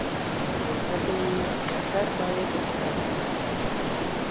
د ګټې ټکر باید افشا شي.